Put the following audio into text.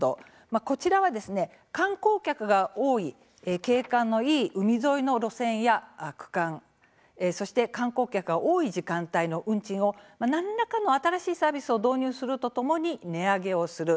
こちらは観光客が多い景観のいい海沿いの路線や区間そして観光客が多い時間帯の運賃を何らかの新しいサービスを導入するとともに値上げをする。